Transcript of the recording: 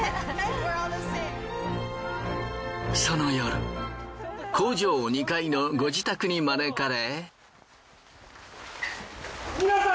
その夜工場２階のご自宅に招かれ。